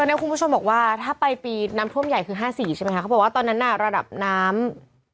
ตอนนี้ผู้ชมบอกว่าถ้าไปปีน้ำทั่วมใหญ่คือ๕๔คนบอกว่าตอนนั้นราบน้ำ